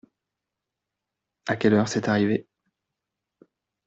À quelle heure c’est arrivé ?